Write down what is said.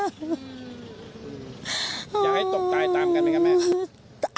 อย่าให้ตกตายตามกันเลยครับแม่